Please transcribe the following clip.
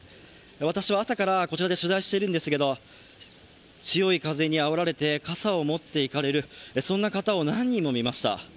私は朝からこちらで取材しているんですけれども強い風にあおられて、傘を持っていかれる方を何人も見ました。